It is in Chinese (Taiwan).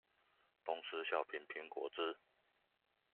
東施效顰蘋果汁